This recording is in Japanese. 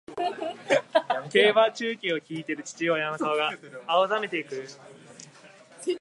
競馬中継を聞いている父親の顔が青ざめていく